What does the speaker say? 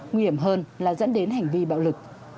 nguy hiểm hơn là dẫn đến hành vi bạo lực